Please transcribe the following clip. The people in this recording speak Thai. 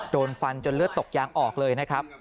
โดนฟันจนเลือดตกยางออกเลยนะครับ